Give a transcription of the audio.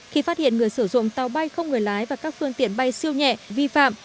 khi phát hiện người sử dụng tàu bay không người lái và các phương tiện bay siêu nhẹ vi phạm